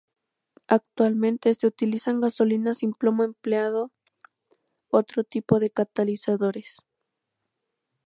Actualmente se utilizan gasolinas sin plomo empleando otro tipo de catalizadores.